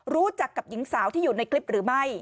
รู้จักกับหญิงสาวที่อยู่ในคลิปหรือไม่